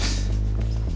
あ！